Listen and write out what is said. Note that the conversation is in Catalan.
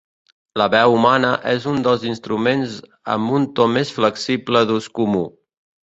La veu humana és un dels instruments amb un to més flexible d'ús comú.